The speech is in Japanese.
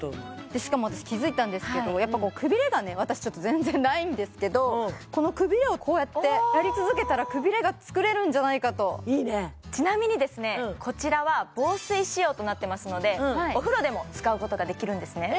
しかも私気付いたんですけどやっぱこうくびれがね私全然ないんですけどこのくびれをこうやってやり続けたらくびれが作れるんじゃないかといいねちなみにですねこちらは防水仕様となってますのでお風呂でも使うことができるんですね